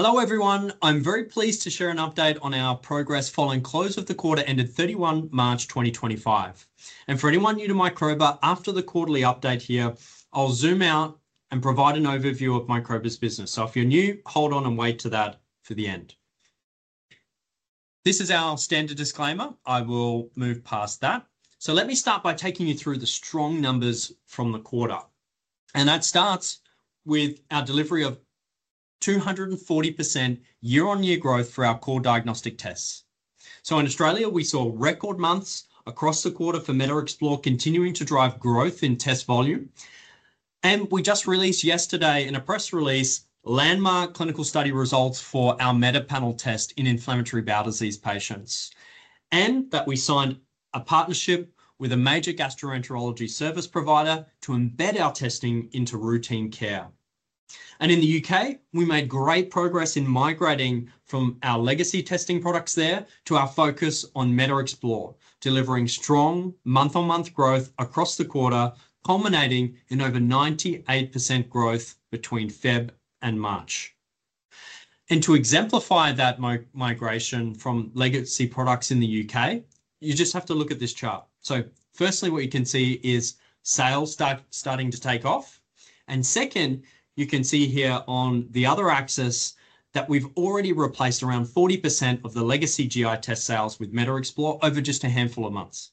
Hello, everyone. I'm very pleased to share an update on our progress following close of the quarter ended 31 March 2025. For anyone new to Microba, after the quarterly update here, I'll zoom out and provide an overview of Microba's business. If you're new, hold on and wait to that for the end. This is our standard disclaimer. I will move past that. Let me start by taking you through the strong numbers from the quarter. That starts with our delivery of 240% year-on-year growth for our core diagnostic tests. In Australia, we saw record months across the quarter for MetaExplore continuing to drive growth in test volume. We just released yesterday in a press release landmark clinical study results for our MetaPanel test in inflammatory bowel disease patients, and that we signed a partnership with a major gastroenterology service provider to embed our testing into routine care. In the U.K., we made great progress in migrating from our legacy testing products there to our focus on MetaExplore, delivering strong month-on-month growth across the quarter, culminating in over 98% growth between February and March. To exemplify that migration from legacy products in the U.K., you just have to look at this chart. Firstly, what you can see is sales starting to take off. Second, you can see here on the other axis that we've already replaced around 40% of the legacy GI test sales with MetaExplore over just a handful of months.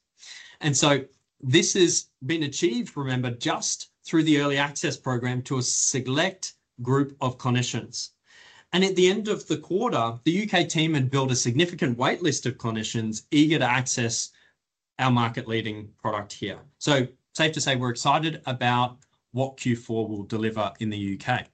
This has been achieved, remember, just through the early access program to a select group of clinicians. At the end of the quarter, the U.K. team had built a significant waitlist of clinicians eager to access our market-leading product here. It is safe to say we're excited about what Q4 will deliver in the U.K.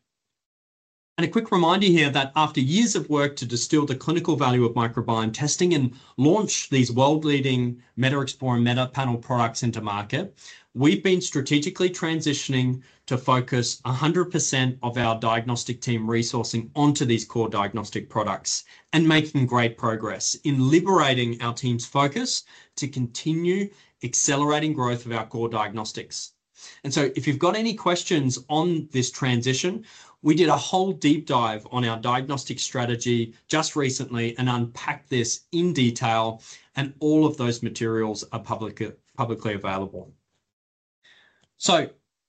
A quick reminder here that after years of work to distill the clinical value of microbiome testing and launch these world-leading MetaExplore and MetaPanel products into market, we've been strategically transitioning to focus 100% of our diagnostic team resourcing onto these core diagnostic products and making great progress in liberating our team's focus to continue accelerating growth of our core diagnostics. If you've got any questions on this transition, we did a whole deep dive on our diagnostic strategy just recently and unpacked this in detail, and all of those materials are publicly available.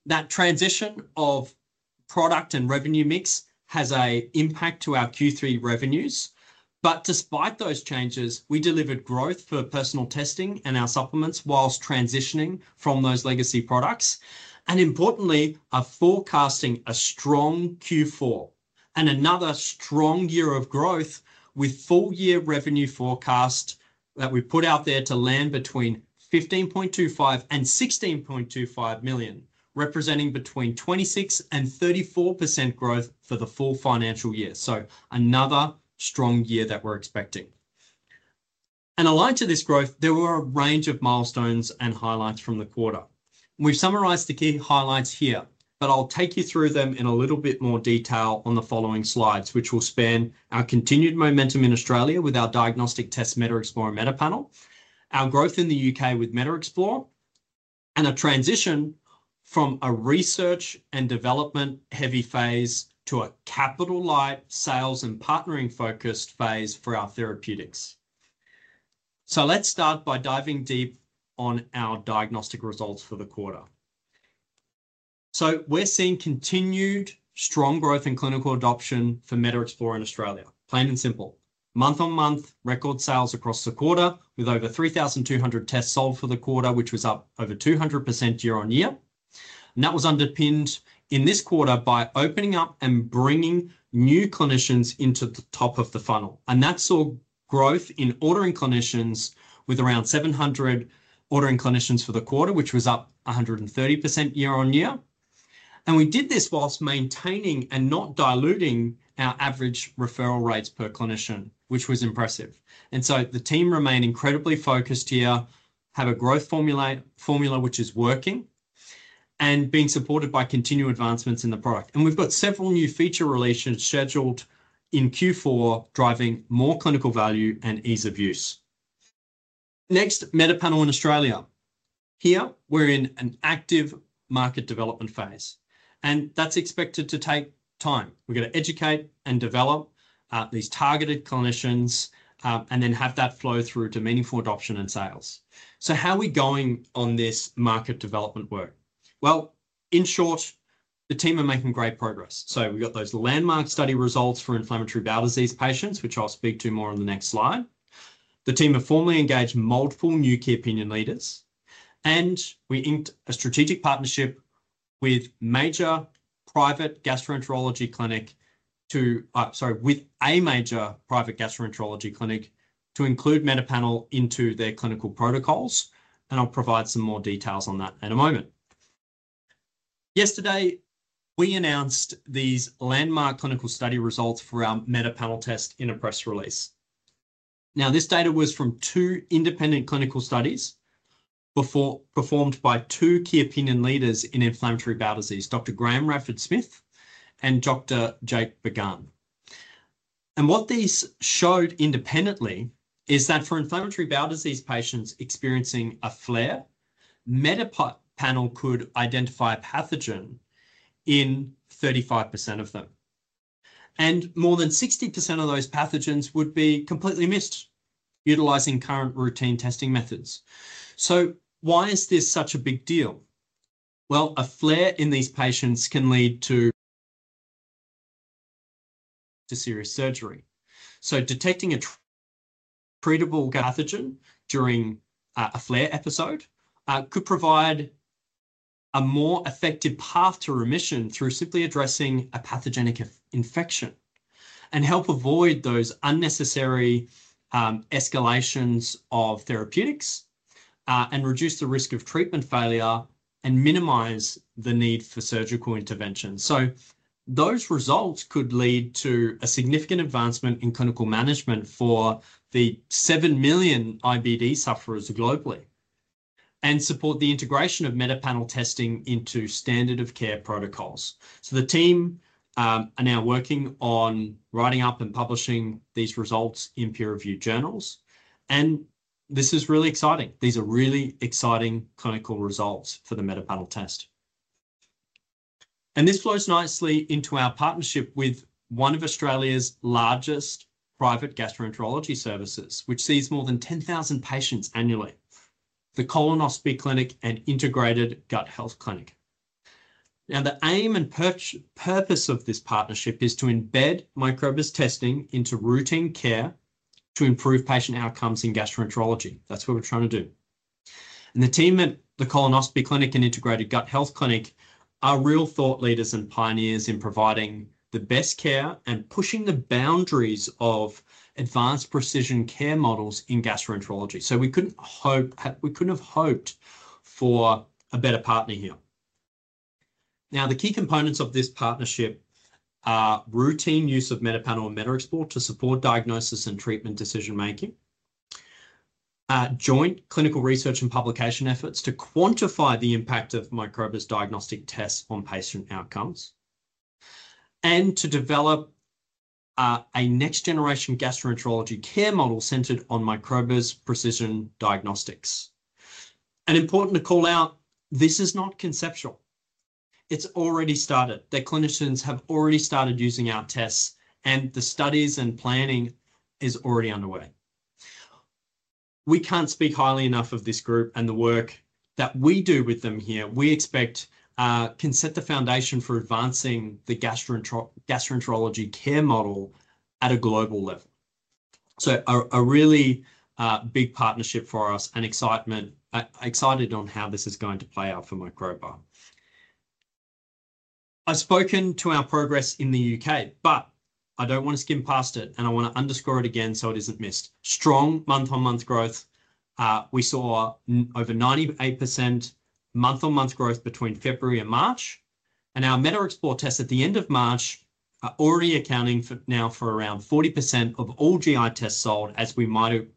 That transition of product and revenue mix has an impact to our Q3 revenues. Despite those changes, we delivered growth for personal testing and our supplements whilst transitioning from those legacy products. Importantly, we are forecasting a strong Q4 and another strong year of growth with full-year revenue forecast that we put out there to land between 15.25 million and 16.25 million, representing between 26% and 34% growth for the full financial year. Another strong year that we're expecting. Aligned to this growth, there were a range of milestones and highlights from the quarter. We've summarized the key highlights here, but I'll take you through them in a little bit more detail on the following slides, which will span our continued momentum in Australia with our diagnostic test MetaExplore and MetaPanel, our growth in the U.K. with MetaExplore, and a transition from a research and development heavy phase to a capital-light sales and partnering-focused phase for our therapeutics. Let's start by diving deep on our diagnostic results for the quarter. We're seeing continued strong growth in clinical adoption for MetaExplore in Australia. Plain and simple. Month-on-month record sales across the quarter with over 3,200 tests sold for the quarter, which was up over 200% year-on-year. That was underpinned in this quarter by opening up and bringing new clinicians into the top of the funnel. That saw growth in ordering clinicians with around 700 ordering clinicians for the quarter, which was up 130% year-on-year. We did this whilst maintaining and not diluting our average referral rates per clinician, which was impressive. The team remain incredibly focused here, have a growth formula which is working, and being supported by continued advancements in the product. We have several new feature releases scheduled in Q4 driving more clinical value and ease of use. Next, MetaPanel in Australia. Here, we are in an active market development phase, and that is expected to take time. We are going to educate and develop these targeted clinicians and then have that flow through to meaningful adoption and sales. How are we going on this market development work? In short, the team are making great progress. We have those landmark study results for inflammatory bowel disease patients, which I'll speak to more on the next slide. The team have formally engaged multiple new key opinion leaders, and we inked a strategic partnership with a major private gastroenterology clinic to include MetaPanel into their clinical protocols. I'll provide some more details on that in a moment. Yesterday, we announced these landmark clinical study results for our MetaPanel test in a press release. This data was from two independent clinical studies performed by two key opinion leaders in inflammatory bowel disease, Dr. Graham Radford-Smith and Dr. Jake Begun. What these showed independently is that for inflammatory bowel disease patients experiencing a flare, MetaPanel could identify a pathogen in 35% of them. More than 60% of those pathogens would be completely missed utilizing current routine testing methods. This is such a big deal because a flare in these patients can lead to serious surgery. Detecting a treatable pathogen during a flare episode could provide a more effective path to remission through simply addressing a pathogenic infection and help avoid those unnecessary escalations of therapeutics, reduce the risk of treatment failure, and minimize the need for surgical intervention. These results could lead to a significant advancement in clinical management for the 7 million IBD sufferers globally and support the integration of MetaPanel testing into standard of care protocols. The team are now working on writing up and publishing these results in peer-reviewed journals. This is really exciting. These are really exciting clinical results for the MetaPanel test. This flows nicely into our partnership with one of Australia's largest private gastroenterology services, which sees more than 10,000 patients annually, the Colonoscopy Clinic and Integrated Gut Health Clinic. Now, the aim and purpose of this partnership is to embed microbial testing into routine care to improve patient outcomes in gastroenterology. That's what we're trying to do. The team at the Colonoscopy Clinic and Integrated Gut Health Clinic are real thought leaders and pioneers in providing the best care and pushing the boundaries of advanced precision care models in gastroenterology. We couldn't have hoped for a better partner here. Now, the key components of this partnership are routine use of MetaPanel and MetaExplore to support diagnosis and treatment decision-making, joint clinical research and publication efforts to quantify the impact of microbial diagnostic tests on patient outcomes, and to develop a next-generation gastroenterology care model centered on microbial precision diagnostics. It is important to call out, this is not conceptual. It's already started. The clinicians have already started using our tests, and the studies and planning is already underway. We can't speak highly enough of this group and the work that we do with them here. We expect this can set the foundation for advancing the gastroenterology care model at a global level. A really big partnership for us and excited on how this is going to play out for Microba. I've spoken to our progress in the U.K., but I don't want to skim past it, and I want to underscore it again so it isn't missed. Strong month-on-month growth. We saw over 98% month-on-month growth between February and March. Our MetaExplore tests at the end of March are already accounting now for around 40% of all GI tests sold as we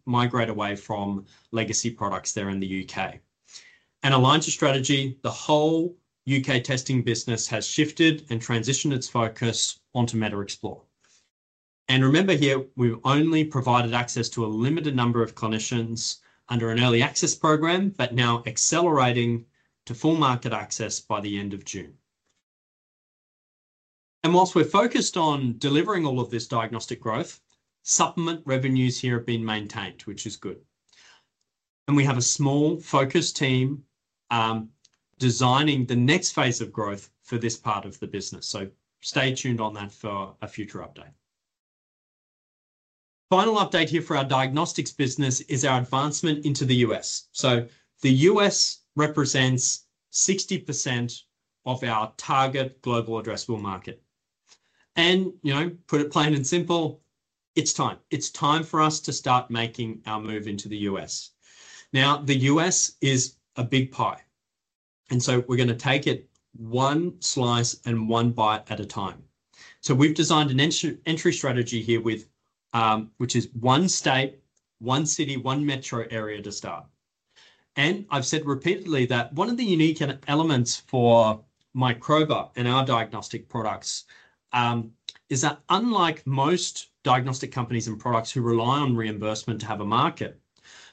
migrate away from legacy products there in the U.K. Aligned to strategy, the whole U.K. testing business has shifted and transitioned its focus onto MetaExplore. Remember here, we've only provided access to a limited number of clinicians under an early access program, but now accelerating to full market access by the end of June. Whilst we're focused on delivering all of this diagnostic growth, supplement revenues here have been maintained, which is good. We have a small focus team designing the next phase of growth for this part of the business. Stay tuned on that for a future update. Final update here for our diagnostics business is our advancement into the U.S. The U.S. represents 60% of our target global addressable market. Put it plain and simple, it's time. It's time for us to start making our move into the U.S. The U.S. is a big pie, so we're going to take it one slice and one bite at a time. We've designed an entry strategy here, which is one state, one city, one metro area to start. I've said repeatedly that one of the unique elements for Microba and our diagnostic products is that unlike most diagnostic companies and products who rely on reimbursement to have a market,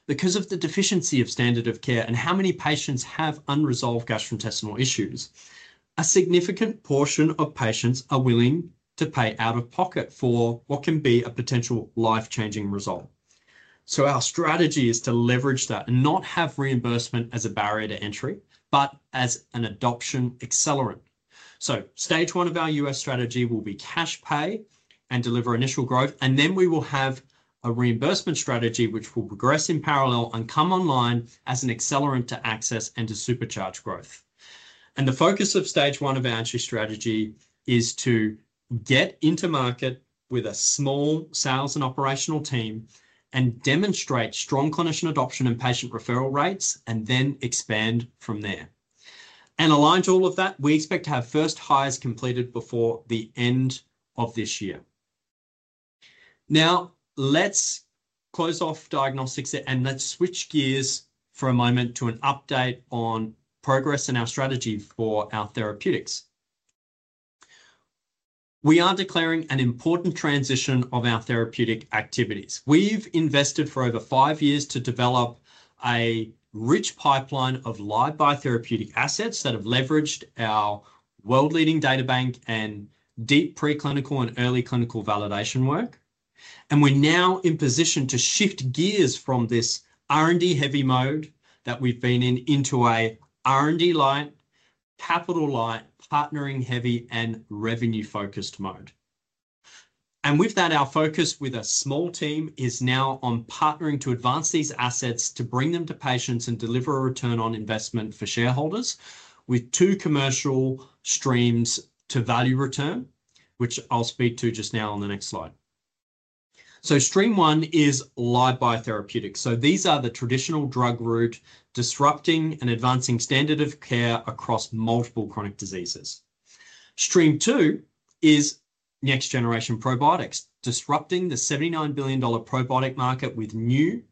because of the deficiency of standard of care and how many patients have unresolved gastrointestinal issues, a significant portion of patients are willing to pay out of pocket for what can be a potential life-changing result. Our strategy is to leverage that and not have reimbursement as a barrier to entry, but as an adoption accelerant. Stage one of our U.S. strategy will be cash pay and deliver initial growth. We will have a reimbursement strategy which will progress in parallel and come online as an accelerant to access and to supercharge growth. The focus of stage one of our entry strategy is to get into market with a small sales and operational team and demonstrate strong clinician adoption and patient referral rates, and then expand from there. Aligned to all of that, we expect to have first hires completed before the end of this year. Now, let's close off diagnostics and switch gears for a moment to an update on progress in our strategy for our therapeutics. We are declaring an important transition of our therapeutic activities. We've invested for over 5 years to develop a rich pipeline of live biotherapeutic assets that have leveraged our world-leading data bank and deep preclinical and early clinical validation work. We are now in position to shift gears from this R&D-heavy mode that we've been in into a R&D-light, capital-light, partnering-heavy, and revenue-focused mode. With that, our focus with a small team is now on partnering to advance these assets to bring them to patients and deliver a return on investment for shareholders with two commercial streams to value return, which I'll speak to just now on the next slide. Stream one is live-by therapeutics. These are the traditional drug route disrupting and advancing standard of care across multiple chronic diseases. Stream two is next-generation probiotics, disrupting the $79 billion probiotic market with new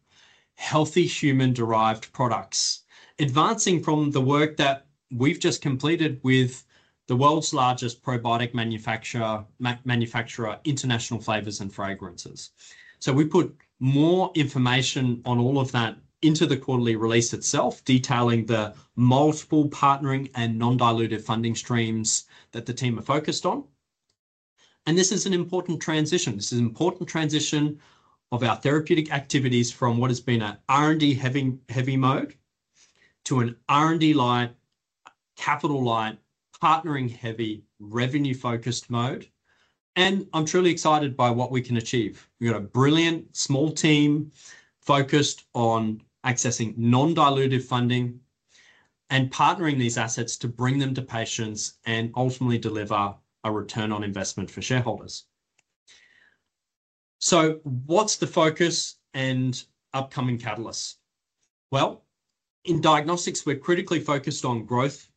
healthy human-derived products, advancing from the work that we've just completed with the world's largest probiotic manufacturer, International Flavors and Fragrances. We put more information on all of that into the quarterly release itself, detailing the multiple partnering and non-dilutive funding streams that the team are focused on. This is an important transition. This is an important transition of our therapeutic activities from what has been an R&D-heavy mode to an R&D-light, capital-light, partnering-heavy, revenue-focused mode. I'm truly excited by what we can achieve. We've got a brilliant small team focused on accessing non-dilutive funding and partnering these assets to bring them to patients and ultimately deliver a return on investment for shareholders. What's the focus and upcoming catalysts? In diagnostics, we're critically focused on growth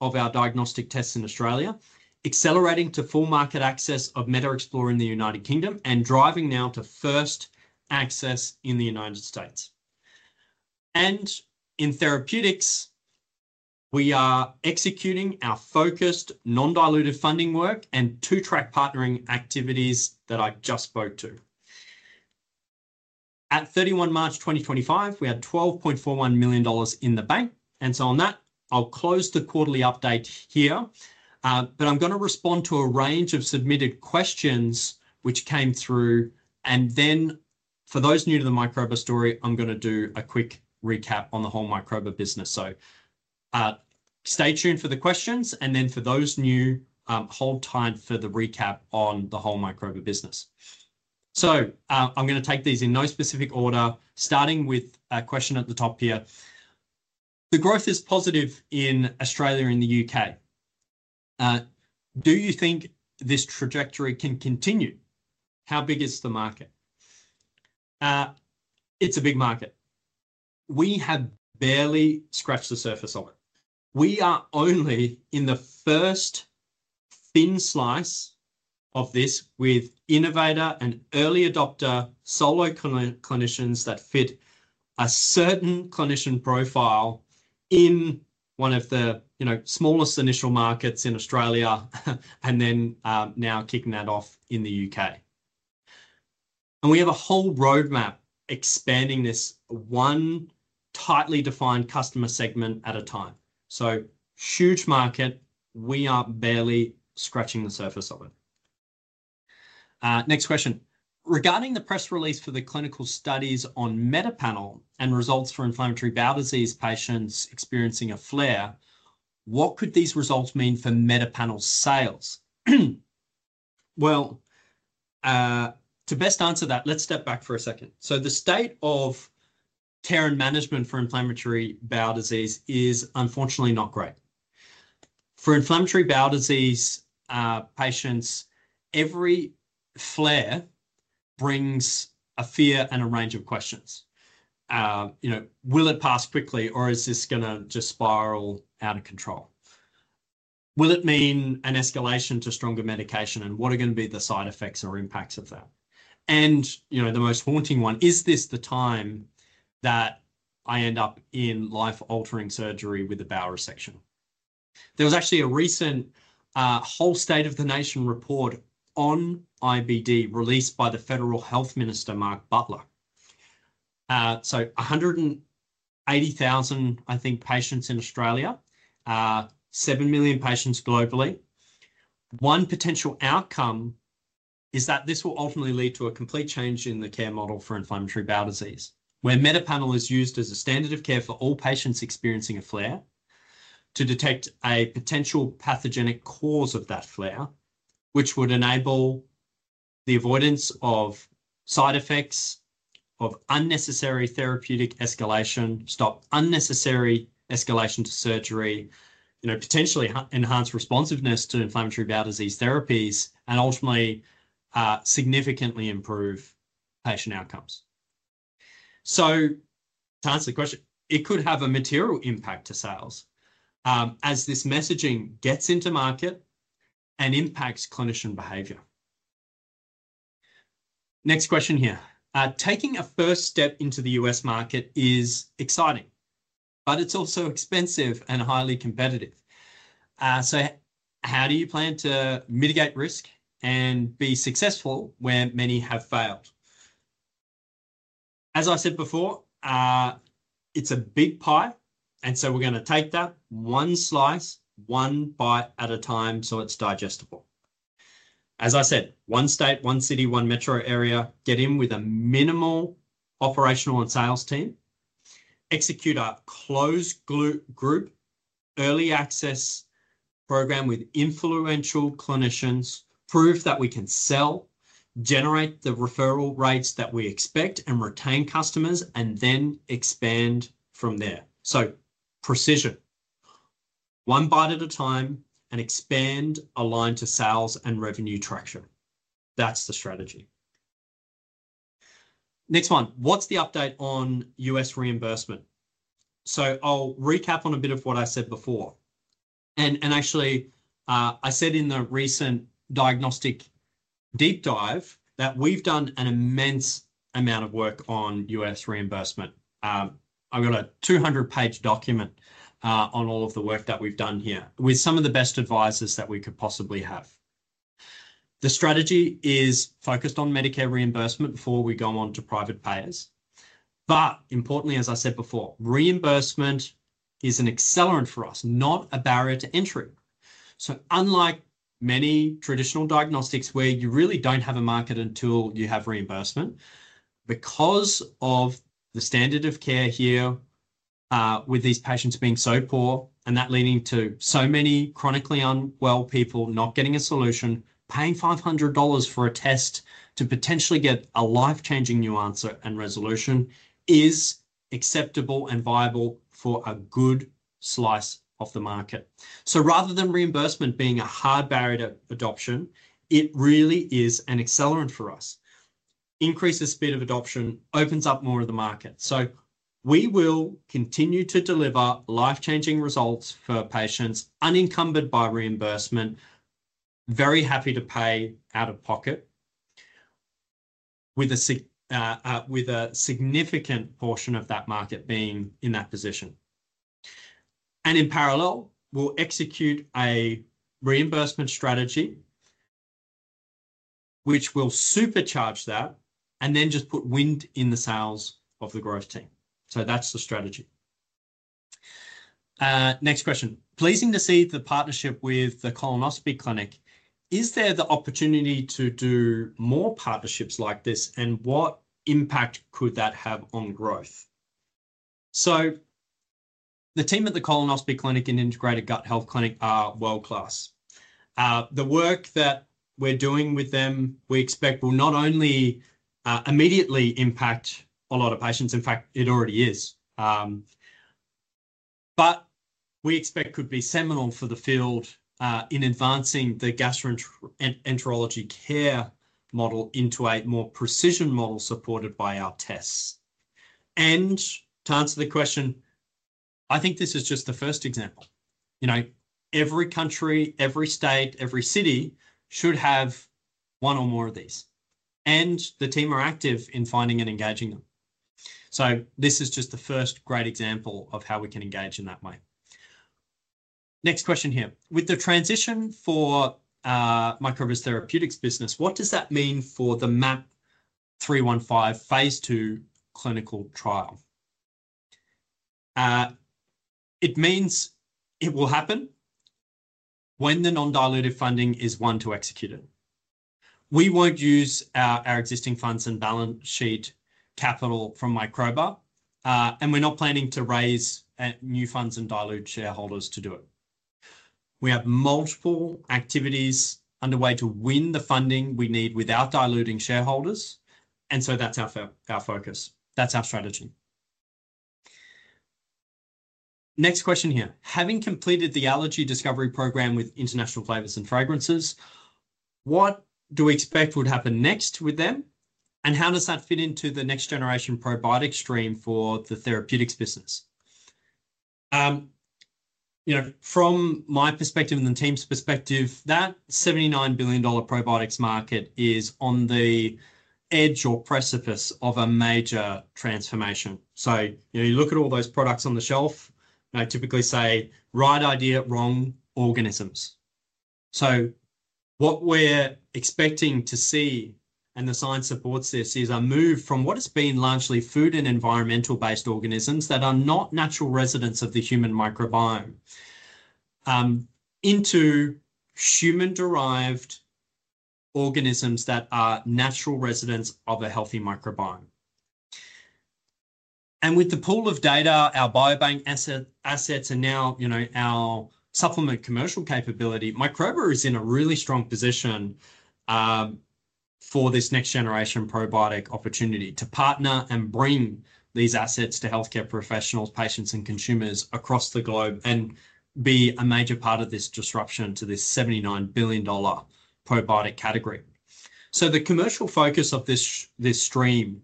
of our diagnostic tests in Australia, accelerating to full market access of MetaExplore in the U.K. and driving now to first access in the U.S. In therapeutics, we are executing our focused non-dilutive funding work and two-track partnering activities that I just spoke to. At 31 March 2025, we had $12.41 million in the bank. On that, I'll close the quarterly update here. I'm going to respond to a range of submitted questions which came through. For those new to the Microba story, I'm going to do a quick recap on the whole Microba business. Stay tuned for the questions. For those new, hold tight for the recap on the whole Microba business. I'm going to take these in no specific order, starting with a question at the top here. The growth is positive in Australia and the U.K. Do you think this trajectory can continue? How big is the market? It's a big market. We have barely scratched the surface of it. We are only in the first thin slice of this with innovator and early adopter solo clinicians that fit a certain clinician profile in one of the smallest initial markets in Australia and now kicking that off in the U.K. We have a whole roadmap expanding this one tightly defined customer segment at a time. Huge market. We are barely scratching the surface of it. Next question. Regarding the press release for the clinical studies on MetaPanel and results for inflammatory bowel disease patients experiencing a flare, what could these results mean for MetaPanel sales? To best answer that, let's step back for a second. The state of care and management for inflammatory bowel disease is unfortunately not great. For inflammatory bowel disease patients, every flare brings a fear and a range of questions. Will it pass quickly, or is this going to just spiral out of control? Will it mean an escalation to stronger medication, and what are going to be the side effects or impacts of that? The most haunting one is, is this the time that I end up in life-altering surgery with a bowel resection? There was actually a recent whole state of the nation report on IBD released by the federal health minister, Mark Butler. One hundred eighty thousand, I think, patients in Australia, 7 million patients globally. One potential outcome is that this will ultimately lead to a complete change in the care model for inflammatory bowel disease, where MetaPanel is used as a standard of care for all patients experiencing a flare to detect a potential pathogenic cause of that flare, which would enable the avoidance of side effects of unnecessary therapeutic escalation, stop unnecessary escalation to surgery, potentially enhance responsiveness to inflammatory bowel disease therapies, and ultimately significantly improve patient outcomes. To answer the question, it could have a material impact to sales as this messaging gets into market and impacts clinician behavior. Next question here. Taking a first step into the U.S. market is exciting, but it's also expensive and highly competitive. How do you plan to mitigate risk and be successful where many have failed? As I said before, it's a big pie. We're going to take that one slice, one bite at a time so it's digestible. As I said, one state, one city, one metro area, get in with a minimal operational and sales team, execute a closed group early access program with influential clinicians, prove that we can sell, generate the referral rates that we expect, and retain customers, and then expand from there. Precision, one bite at a time, and expand aligned to sales and revenue traction. That's the strategy. Next one. What's the update on U.S. reimbursement? I'll recap on a bit of what I said before. Actually, I said in the recent diagnostic deep dive that we've done an immense amount of work on U.S. reimbursement. I've got a 200-page document on all of the work that we've done here with some of the best advisors that we could possibly have. The strategy is focused on Medicare reimbursement before we go on to private payers. Importantly, as I said before, reimbursement is an accelerant for us, not a barrier to entry. Unlike many traditional diagnostics where you really don't have a market until you have reimbursement, because of the standard of care here with these patients being so poor and that leading to so many chronically unwell people not getting a solution, paying $500 for a test to potentially get a life-changing new answer and resolution is acceptable and viable for a good slice of the market. Rather than reimbursement being a hard barrier to adoption, it really is an accelerant for us. Increase the speed of adoption opens up more of the market. We will continue to deliver life-changing results for patients unencumbered by reimbursement, very happy to pay out of pocket, with a significant portion of that market being in that position. In parallel, we'll execute a reimbursement strategy which will supercharge that and then just put wind in the sails of the growth team. That's the strategy. Next question. Pleasing to see the partnership with the Colonoscopy Clinic. Is there the opportunity to do more partnerships like this, and what impact could that have on growth? The team at the Colonoscopy Clinic and Integrated Gut Health Clinic are world-class. The work that we're doing with them, we expect will not only immediately impact a lot of patients. In fact, it already is. We expect it could be seminal for the field in advancing the gastroenterology care model into a more precision model supported by our tests. To answer the question, I think this is just the first example. Every country, every state, every city should have one or more of these. The team are active in finding and engaging them. This is just the first great example of how we can engage in that way. Next question here. With the transition for Microba's therapeutics business, what does that mean for the MAP315 phase two clinical trial? It means it will happen when the non-dilutive funding is one to execute it. We won't use our existing funds and balance sheet capital from Microba, and we're not planning to raise new funds and dilute shareholders to do it. We have multiple activities underway to win the funding we need without diluting shareholders. That is our focus. That is our strategy. Next question here. Having completed the allergy discovery program with International Flavors and Fragrances, what do we expect would happen next with them, and how does that fit into the next-generation probiotic stream for the therapeutics business? From my perspective and the team's perspective, that $79 billion probiotics market is on the edge or precipice of a major transformation. You look at all those products on the shelf, and I typically say, "Right idea, wrong organisms." What we are expecting to see, and the science supports this, is a move from what has been largely food and environmental-based organisms that are not natural residents of the human microbiome into human-derived organisms that are natural residents of a healthy microbiome. With the pool of data, our biobank assets and now our supplement commercial capability, Microba is in a really strong position for this next-generation probiotic opportunity to partner and bring these assets to healthcare professionals, patients, and consumers across the globe and be a major part of this disruption to this $79 billion probiotic category. The commercial focus of this stream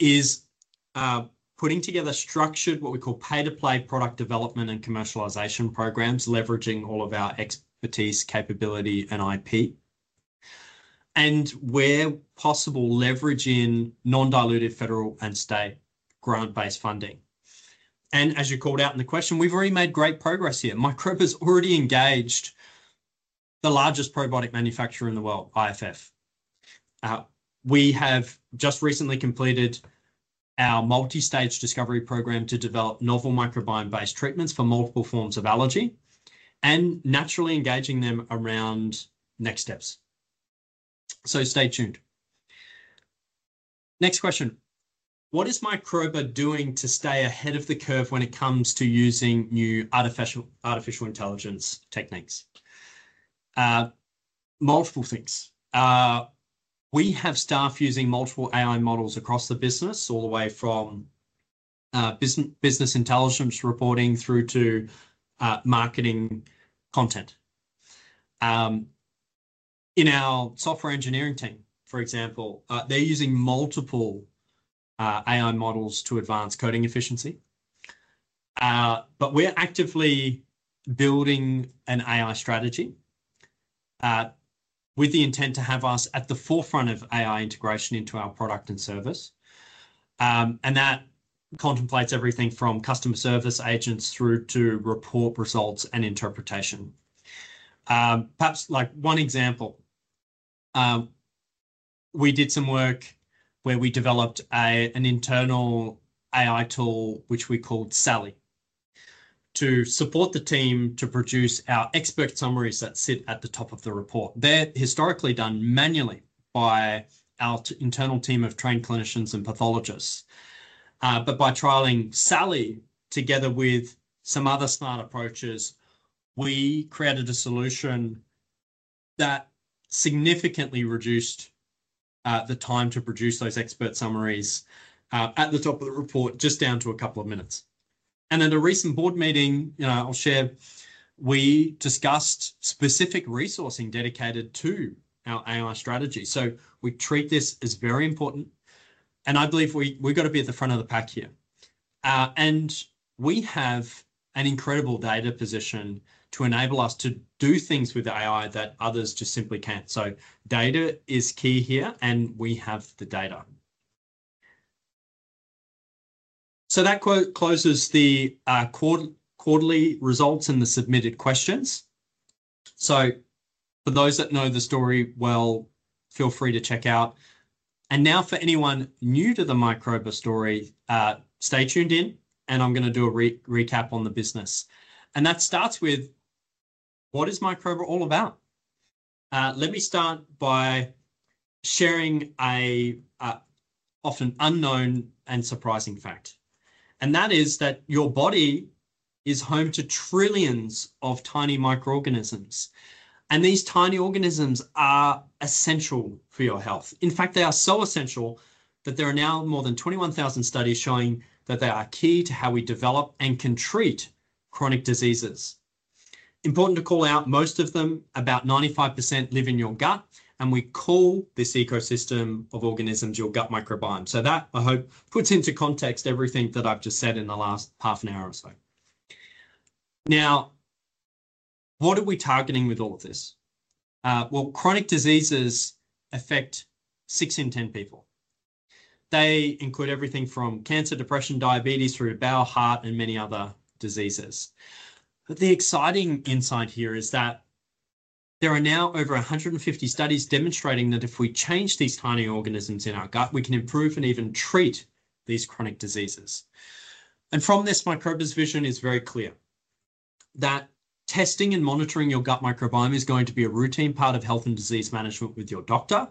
is putting together structured, what we call pay-to-play product development and commercialization programs, leveraging all of our expertise, capability, and IP, and where possible, leveraging non-dilutive federal and state grant-based funding. As you called out in the question, we've already made great progress here. Microba has already engaged the largest probiotic manufacturer in the world, IFF. We have just recently completed our multi-stage discovery program to develop novel microbiome-based treatments for multiple forms of allergy and naturally engaging them around next steps. Stay tuned. Next question. What is Microba doing to stay ahead of the curve when it comes to using new artificial intelligence techniques? Multiple things. We have staff using multiple AI models across the business, all the way from business intelligence reporting through to marketing content. In our software engineering team, for example, they're using multiple AI models to advance coding efficiency. We are actively building an AI strategy with the intent to have us at the forefront of AI integration into our product and service. That contemplates everything from customer service agents through to report results and interpretation. Perhaps one example, we did some work where we developed an internal AI tool, which we called Sally, to support the team to produce our expert summaries that sit at the top of the report. They're historically done manually by our internal team of trained clinicians and pathologists. By trialing Sally together with some other smart approaches, we created a solution that significantly reduced the time to produce those expert summaries at the top of the report, just down to a couple of minutes. At a recent board meeting, I'll share, we discussed specific resourcing dedicated to our AI strategy. We treat this as very important. I believe we've got to be at the front of the pack here. We have an incredible data position to enable us to do things with AI that others just simply can't. Data is key here, and we have the data. That closes the quarterly results and the submitted questions. For those that know the story well, feel free to check out. For anyone new to the Microba story, stay tuned in, and I'm going to do a recap on the business. That starts with, what is Microba all about? Let me start by sharing an often unknown and surprising fact. That is that your body is home to trillions of tiny microorganisms. These tiny organisms are essential for your health. In fact, they are so essential that there are now more than 21,000 studies showing that they are key to how we develop and can treat chronic diseases. Important to call out, most of them, about 95%, live in your gut, and we call this ecosystem of organisms your gut microbiome. I hope that puts into context everything that I've just said in the last half an hour or so. Now, what are we targeting with all of this? Chronic diseases affect 6 in 10 people. They include everything from cancer, depression, diabetes, through bowel, heart, and many other diseases. The exciting insight here is that there are now over 150 studies demonstrating that if we change these tiny organisms in our gut, we can improve and even treat these chronic diseases. Microba's vision is very clear that testing and monitoring your gut microbiome is going to be a routine part of health and disease management with your doctor,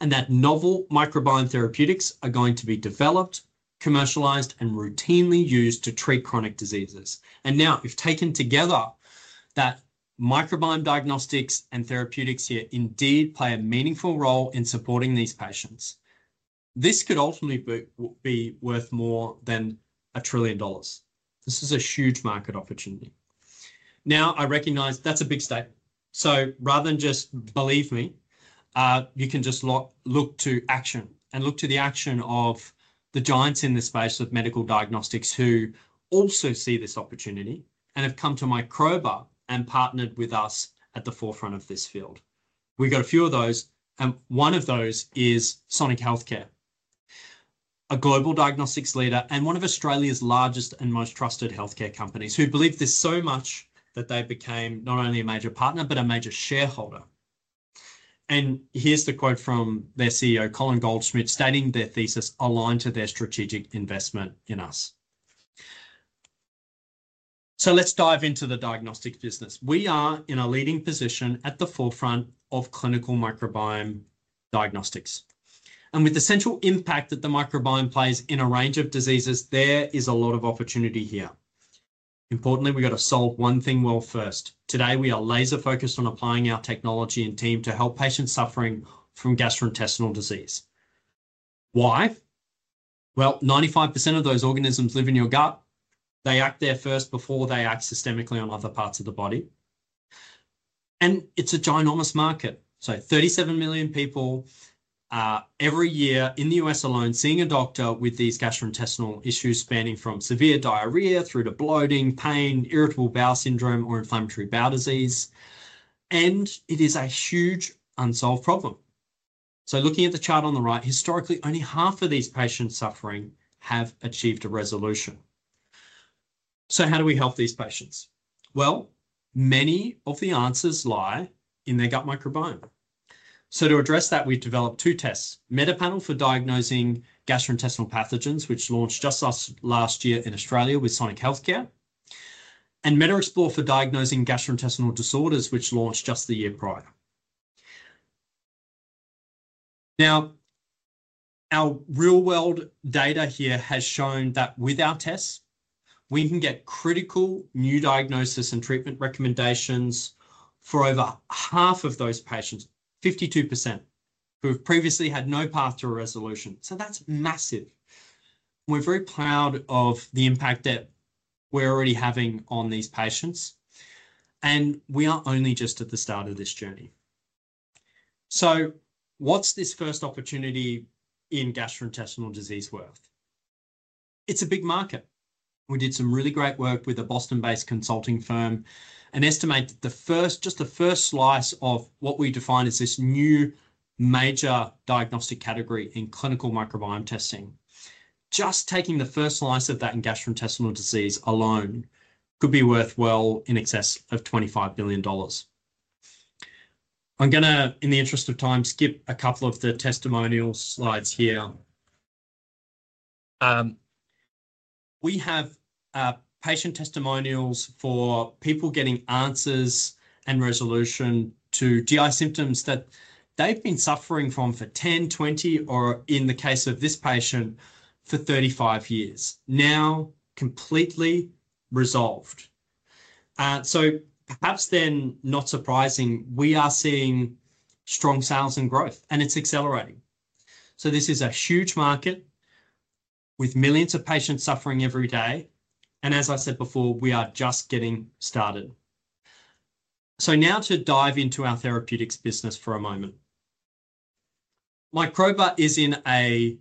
and that novel microbiome therapeutics are going to be developed, commercialized, and routinely used to treat chronic diseases. If taken together, that microbiome diagnostics and therapeutics here indeed play a meaningful role in supporting these patients, this could ultimately be worth more than a trillion dollars. This is a huge market opportunity. I recognize that's a big statement. Rather than just believe me, you can just look to action and look to the action of the giants in this space of medical diagnostics who also see this opportunity and have come to Microba and partnered with us at the forefront of this field. We've got a few of those. One of those is Sonic Healthcare, a global diagnostics leader and one of Australia's largest and most trusted healthcare companies who believed this so much that they became not only a major partner, but a major shareholder. Here is the quote from their CEO, Colin Goldschmidt, stating their thesis aligned to their strategic investment in us. Let's dive into the diagnostics business. We are in a leading position at the forefront of clinical microbiome diagnostics. With the central impact that the microbiome plays in a range of diseases, there is a lot of opportunity here. Importantly, we've got to solve one thing well first. Today, we are laser-focused on applying our technology and team to help patients suffering from gastrointestinal disease. Why? 95% of those organisms live in your gut. They act there first before they act systemically on other parts of the body. It is a ginormous market. 37 million people every year in the U.S. alone seeing a doctor with these gastrointestinal issues spanning from severe diarrhea through to bloating, pain, irritable bowel syndrome, or inflammatory bowel disease. It is a huge unsolved problem. Looking at the chart on the right, historically, only half of these patients suffering have achieved a resolution. How do we help these patients? Many of the answers lie in their gut microbiome. To address that, we've developed two tests: MetaPanel for diagnosing gastrointestinal pathogens, which launched just last year in Australia with Sonic Healthcare, and MetaExplore for diagnosing gastrointestinal disorders, which launched just the year prior. Now, our real-world data here has shown that with our tests, we can get critical new diagnosis and treatment recommendations for over half of those patients, 52%, who have previously had no path to a resolution. That is massive. We are very proud of the impact that we are already having on these patients. We are only just at the start of this journey. What is this first opportunity in gastrointestinal disease worth? It is a big market. We did some really great work with a Boston-based consulting firm and estimated just the first slice of what we define as this new major diagnostic category in clinical microbiome testing. Just taking the first slice of that in gastrointestinal disease alone could be worth well in excess of $25 billion. I am going to, in the interest of time, skip a couple of the testimonial slides here. We have patient testimonials for people getting answers and resolution to GI symptoms that they've been suffering from for 10, 20, or in the case of this patient, for 35 years, now completely resolved. Perhaps then not surprising, we are seeing strong sales and growth, and it's accelerating. This is a huge market with millions of patients suffering every day. As I said before, we are just getting started. Now to dive into our therapeutics business for a moment. Microba is in a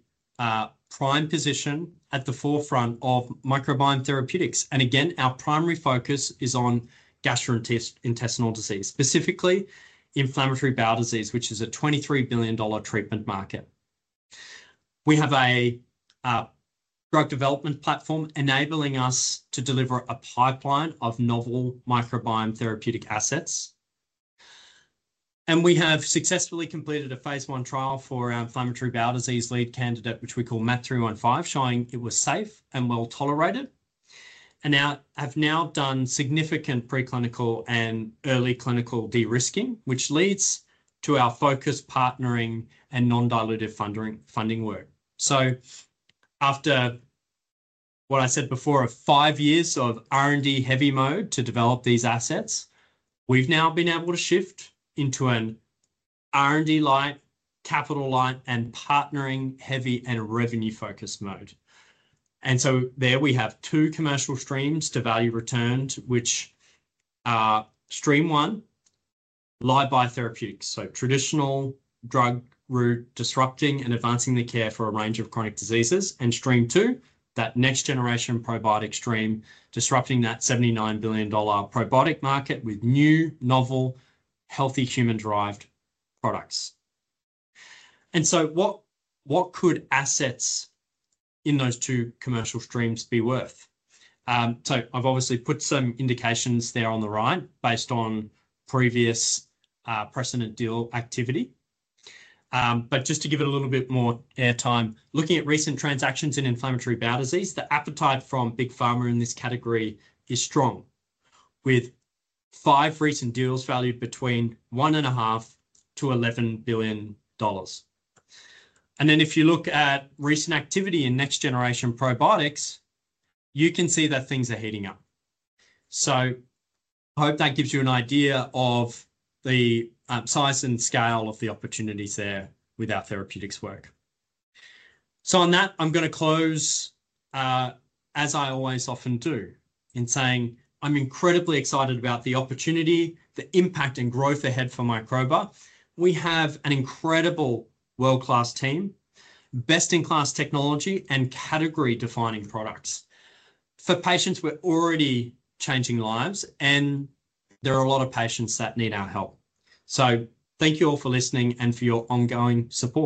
prime position at the forefront of microbiome therapeutics. Again, our primary focus is on gastrointestinal disease, specifically inflammatory bowel disease, which is a $23 billion treatment market. We have a drug development platform enabling us to deliver a pipeline of novel microbiome therapeutic assets. We have successfully completed a phase one trial for our inflammatory bowel disease lead candidate, which we call MAP315, showing it was safe and well tolerated. I've now done significant preclinical and early clinical de-risking, which leads to our focus partnering and non-dilutive funding work. After what I said before of five years of R&D heavy mode to develop these assets, we've now been able to shift into an R&D light, capital light, and partnering heavy and revenue-focused mode. There we have two commercial streams to value returned, which are stream one, live biotherapeutics, so traditional drug route disrupting and advancing the care for a range of chronic diseases. Stream two, that next-generation probiotic stream, disrupting that $79 billion probiotic market with new, novel, healthy human-derived products. What could assets in those two commercial streams be worth? I've obviously put some indications there on the right based on previous precedent deal activity. Just to give it a little bit more airtime, looking at recent transactions in inflammatory bowel disease, the appetite from big pharma in this category is strong, with five recent deals valued between $1.5 billion-$11 billion. If you look at recent activity in next-generation probiotics, you can see that things are heating up. I hope that gives you an idea of the size and scale of the opportunities there with our therapeutics work. On that, I'm going to close, as I often do, in saying I'm incredibly excited about the opportunity, the impact, and growth ahead for Microba. We have an incredible world-class team, best-in-class technology, and category-defining products. For patients, we're already changing lives, and there are a lot of patients that need our help. Thank you all for listening and for your ongoing support.